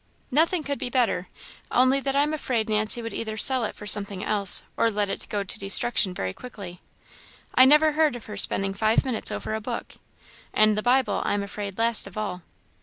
"Nothing could be better; only that I am afraid Nancy would either sell it for something else, or let it go to destruction very quickly. I never heard of her spending five minutes over a book, and the Bible, I am afraid, last of all."